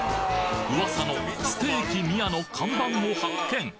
噂のステーキ宮の看板を発見！